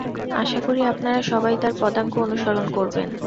আশা করি আপনারা সবাই তাঁর পদাঙ্ক অনুসরণ করবেন।